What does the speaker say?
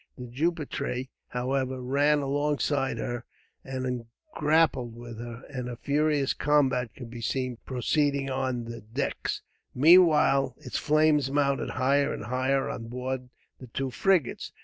The Jupitre, however, ran alongside her and grappled with her, and a furious combat could be seen proceeding on the decks. Meanwhile, the flames mounted higher and higher on board the two frigates.